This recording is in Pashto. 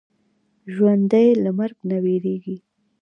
ژوندي د مرګ نه وېرېږي